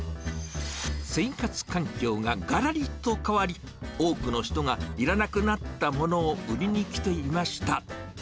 生活環境ががらりと変わり、多くの人がいらなくなったものを売りに来ていました。